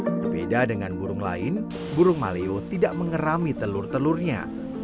berbeda dengan burung lain burung maleo tidak mengerami telur telurnya